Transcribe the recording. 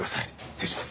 失礼します。